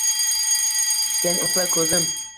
Sen uxla, ko’zim